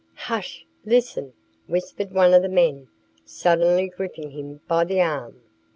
"Hush! Listen!" whispered one of the men, suddenly gripping him by the arm.